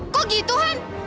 kok gitu hany